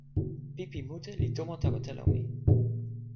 pipi mute li tomo tawa telo mi.